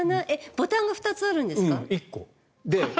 ボタンが２つあるんですか？